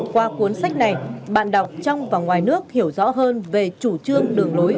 qua cuốn sách này bạn đọc trong và ngoài nước hiểu rõ hơn về chủ trương đường lối